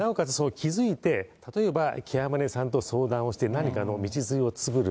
気付いて、例えばケアマネさんと相談をして、何かの道筋を作る。